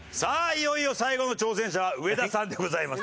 いよいよ最後の挑戦者上田さんでございます。